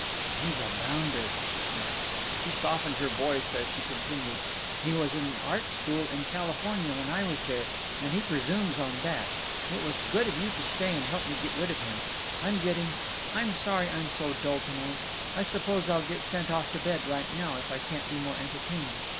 "He's a bounder," she snapped. She softened her voice as she continued: "He was in the art school in California when I was there, and he presumes on that…. It was good of you to stay and help me get rid of him…. I'm getting—I'm sorry I'm so dull to night. I suppose I'll get sent off to bed right now, if I can't be more entertaining.